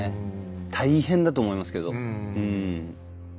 大変だと思いますけどうん。